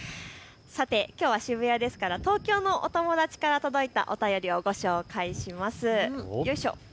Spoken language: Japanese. きょうは渋谷ですから東京のお友達から届いたお便りをご紹介します。